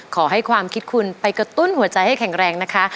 ขอให้ความคิดคุณไปกระตุ้นหัวใจให้แข็งแรงนะคะ